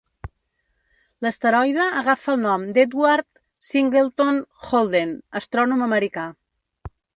L'asteroide agafa el nom d'Edward Singleton Holden, astrònom americà.